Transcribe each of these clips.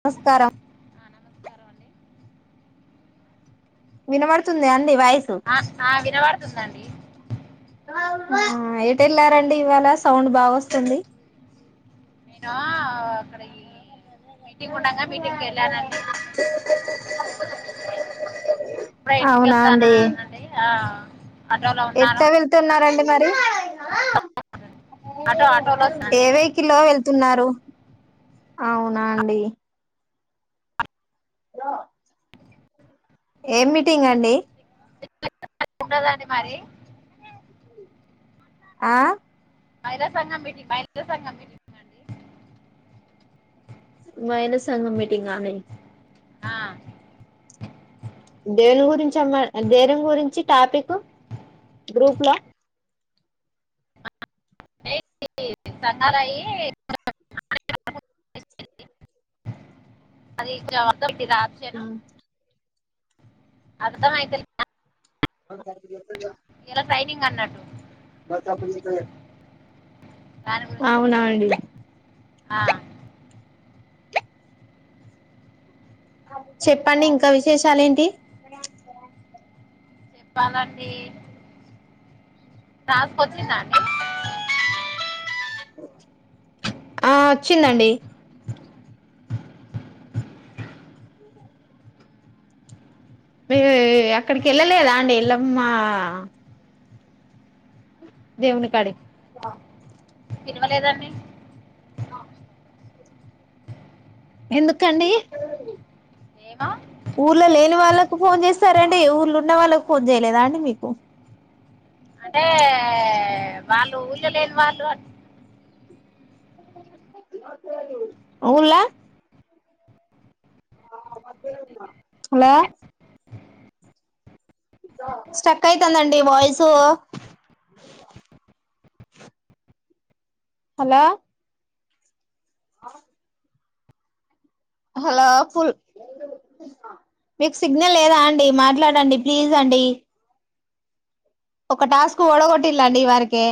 నమస్కారం ఆ నమస్కారం అండి వినబడుతుంది అని ఆ ఆ వినబడుతుందండి ఎటు వెళ్ళారండి ఇవాళ సౌండ్ బాగా వస్తుంది నేను అక్కడ మీటింగ్ ఉండగా మీటింగ్కి వెళ్ళానండి వ ఇప్పడే ఇంటికెళ్తానా అండి అవునండి ఆ ఆటోలో ఉన్నాను ఎట్లా వెళ్తున్నారండి మరి? ఆటో ఆటోలో వస్తానండి ఏవైకిల్లో వెళ్తున్నారు? అవునా అండి రా ఏం మీటింగ్ అండి? ఉంటదండి మరి ఆ మహిళా సంఘం మీటింగ్, మహిళల సంఘం మీటింగ్ మైన సంగం మీటింగా అండి ఆ దేని గురించి అన్నాడు, దేని గురించి టాపికు గ్రూప్ ల [unintelligible] అది జవాత మీడినా ఆప్షను అర్థమైత లేదా ఏందో కరెక్టుగా చెప్తలేవు. ఇయల సైనింగ్ అన్నట్టు. మచ్చప్ మీదికే దాని గురించి వెళ్ళాను. అవునండి ఆ చెప్పండి ఇంకా విశేషాలు ఏంటి? చెప్పాలండి. వాస్కు వచ్చిందా అండి? ఆ వచ్చిందండి. మీరు అక్కడికి వెళ్ళలేదా అండి ఎల్లమ్మా దేవునికాడి సినిమలేదండి. ఎందుకండి ఏమో ఊర్లో లేని వాళ్ళకు ఫోన్ చేస్తరంటడి, ఏ ఊర్ళ ఉన్న వాళ్ళకు ఫోన్ చేయలేదా అండి మీకు? అంటే వాళ్ళు ఊళ్ళో లేని వాళ్ళు అట్ ఊల్లా హలో స్టక్ అయితందండి వాయిసు. హలో అ హలో ఫుల్ మీకు సిగ్నల్ లేదా అండి, మాట్లాడండి ప్లీజ్ అండి. ఒక టాస్క్ ఓడగొట్టిల్లాండి ఈవరకే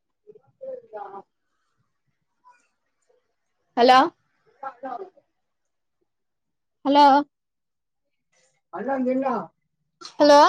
ఎ హలో హలో హలో